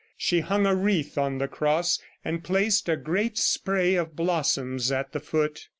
She hung a wreath on the cross and placed a great spray of blossoms at the foot.